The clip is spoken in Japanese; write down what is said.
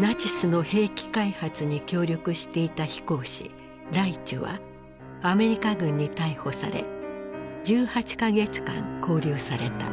ナチスの兵器開発に協力していた飛行士ライチュはアメリカ軍に逮捕され１８か月間こう留された。